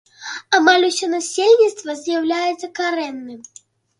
Амаль усё насельніцтва з'яўляецца карэнным.